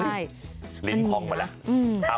ลิมคลองมาแล้ว